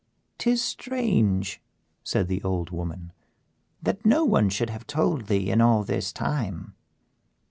"Tis strange," said the old woman, "that no one should have told thee in all this time."